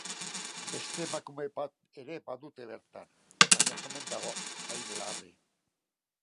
Beste emakume bat ere badute bertan, baina ez omen dago hain larri.